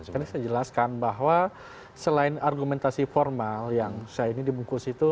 karena saya jelaskan bahwa selain argumentasi formal yang saya ini dibungkus itu